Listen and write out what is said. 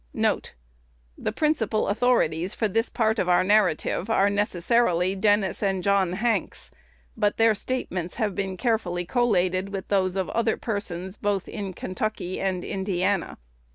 1 1 The principal authorities for this part of our narrative are necessarily Dennis and John Hanks; but their statements have been carefully collated with those of other persons, both in Kentucky and Indiana.